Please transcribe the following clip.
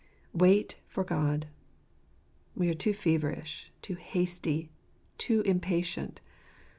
Wait for God / We are too feverish, too hasty, too impatient.